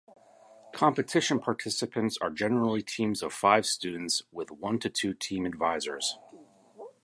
Competition participants are generally teams of five students with one to two team advisers.